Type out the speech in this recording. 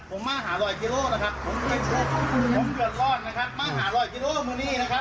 ผมมาห้าร้อยกิโลกรัมนะครับผมไม่เจอผมเงินรอดนะครับ